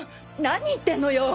何言ってんのよ